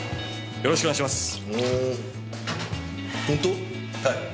よろしくお願いします。